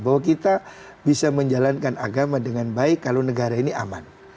bahwa kita bisa menjalankan agama dengan baik kalau negara ini aman